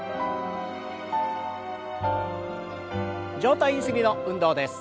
上体ゆすりの運動です。